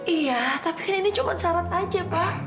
iya tapi kan ini cuma syarat aja pak